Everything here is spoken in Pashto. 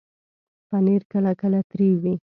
پنېر کله کله تریو وي.